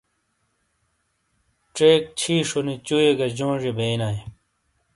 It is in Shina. چیک چھِیشونی چُوئیے گہ جونجیئے بیئینایئے۔